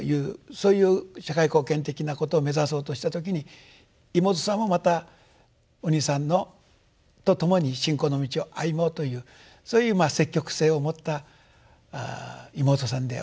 そういう社会貢献的なことを目指そうとした時に妹さんもまたお兄さんと共に信仰の道を歩もうというそういう積極性を持った妹さんでおありになった。